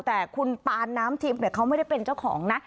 แต่คุณปานน้ำทิพย์เขาไม่ได้เป็นเจ้าของนะ